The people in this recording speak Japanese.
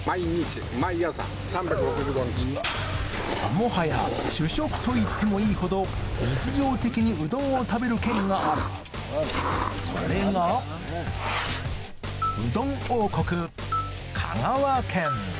もはや主食と言ってもいいほど日常的にうどんを食べる県があるそれがうどん王国